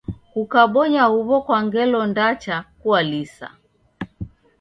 Kukabonya huw'o kwa ngelo ndacha kwalisa.